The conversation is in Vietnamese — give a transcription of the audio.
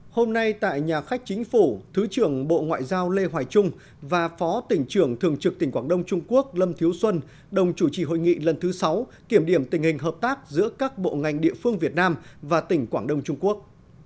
hôm nay tại nhà khách chính phủ thứ trưởng bộ ngoại giao lê hoài trung và phó tỉnh trưởng thường trực tỉnh quảng đông trung quốc lâm thiếu xuân đồng chủ trì hội nghị lần thứ sáu kiểm điểm tình hình hợp tác giữa các bộ ngành địa phương việt nam và tỉnh quảng đông trung quốc